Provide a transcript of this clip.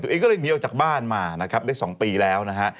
ตัวเองก็เลยหนีออกจากบ้านมานะครับได้๒ปีแล้วนะฮะ